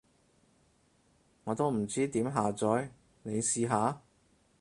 我都唔知點下載，你試下？